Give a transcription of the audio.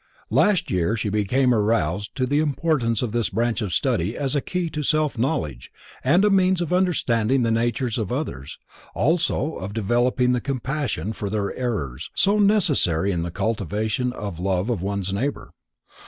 Last year she became aroused to the importance of this branch of study as a key to self knowledge and a means of understanding the natures of others, also of developing the compassion for their errors, so necessary in the cultivation of love of one's neighbor.